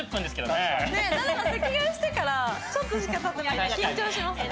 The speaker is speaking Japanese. ねえ。席替えしてからちょっとしか経ってなくて緊張します。